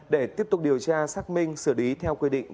để tiếp tục điều tra xác minh sửa đí theo quy định